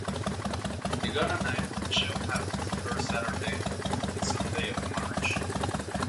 The Gun and Knife Show happens the first Saturday and Sunday of March.